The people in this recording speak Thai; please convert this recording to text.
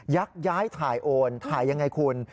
ักย้ายถ่ายโอนถ่ายยังไงคุณ